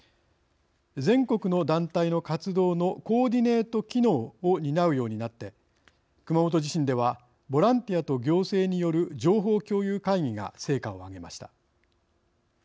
全国の団体の活動のコーディネート機能を担うようになって熊本地震ではボランティアと行政による情報共有会議が成果を挙げました。